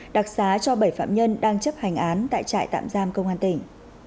đặc xá cho bảy phạm nhân đang chấp hành án tại trại tạm giam công an tỉnh